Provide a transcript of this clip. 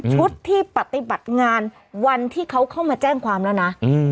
ชุดที่ปฏิบัติงานวันที่เขาเข้ามาแจ้งความแล้วนะ